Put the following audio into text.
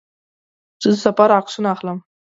زه د سفر عکسونه اخلم.